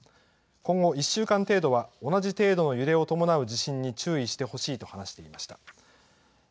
今後１週間程度は、同じ程度の揺れを伴う地震に注意してほしいと話していました。